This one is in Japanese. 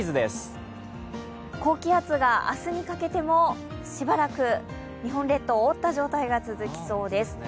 高気圧が明日にかけてもしばらく日本列島を覆った状態が続きそうです。